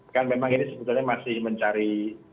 kan memang ini sebetulnya masih mencari